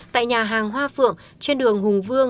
tại nhà hàng hoa phượng trên đường hùng vương